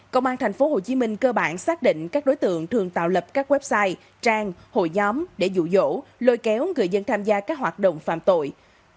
công an tp hcm cơ bản xác định các đối tượng thường tạo lập các website trang hội nhóm để dụ dỗ lôi kéo người dân tham gia các hoạt động phạm tội